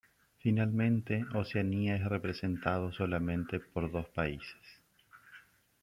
Finalmente, Oceanía es representado solamente por dos países.